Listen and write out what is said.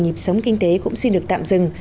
nhịp sống kinh tế cũng xin được tạm dừng